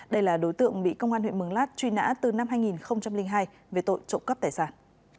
đây là đối tượng bị công an huyện mường lát truy nã từ năm hai nghìn hai về tội trộm cắp tài sản